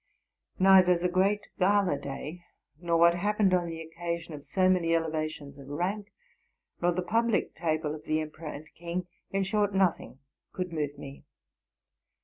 neither the great gala day, nor what happened on the occasion of so many eleva tions of rank, nor the public table of the emperor and king, — in short, nothing could move me.